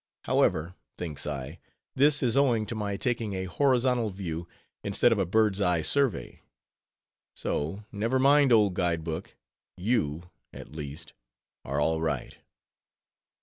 However, thinks I, this is owing to my taking a horizontal view, instead of a bird's eye survey. So, never mind old guide book, you, at least, are all right.